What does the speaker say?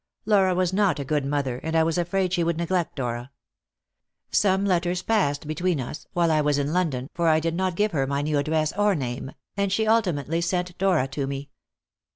Laura was not a good mother, and I was afraid she would neglect Dora. Some letters passed between us while I was in London, for I did not give her my new address or name and she ultimately sent Dora to me.